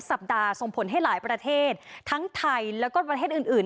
ส่งผลให้หลายประเทศทั้งไทยแล้วก็ประเทศอื่น